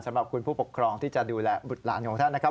สำหรับคุณผู้ปกครองที่จะดูแลบุตรหลานของท่านนะครับ